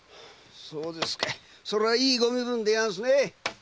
そうですかいそれはいいご身分でやんすね。